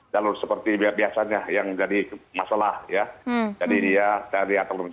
jalur seperti biasa biasanya yang jadi masalah ya jadi dia dari atau mencari